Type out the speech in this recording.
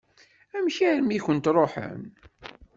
Amek armi i kent-ṛuḥen?